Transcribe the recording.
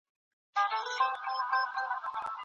کثافات په غره کې مه غورځوئ.